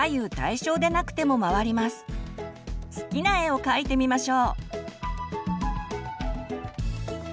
好きな絵を描いてみましょう。